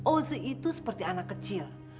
ozo itu seperti anak kecil